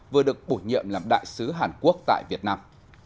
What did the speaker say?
vừa được bổ nhiệm làm đại sứ hàn quốc tại việt nam